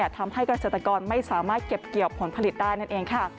ทำให้เกษตรกรไม่สามารถเก็บเกี่ยวผลผลิตได้นั่นเองค่ะ